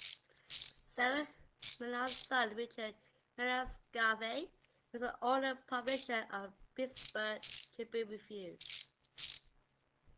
Sarah Mellon's son, Richard Mellon Scaife, was the owner-publisher of the "Pittsburgh Tribune-Review".